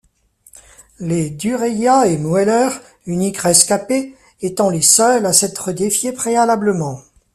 Les Duryea et Mueller, uniques rescapés, étant les seuls à s'être défiés préalablement.